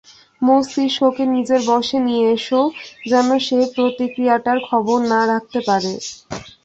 মস্তিষ্ককে নিজের বশে নিয়ে এস, যেন সে প্রতিক্রিয়াটার খবর না রাখতে পারে।